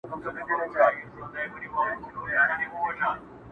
و غزل ته مي الهام سي ستا غزل غزل خبري.